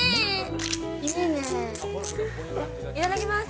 いただきます。